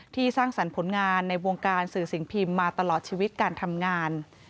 สร้างสรรค์ผลงานในวงการสื่อสิ่งพิมพ์มาตลอดชีวิตการทำงาน